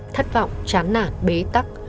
thất vọng chán nản bế tắc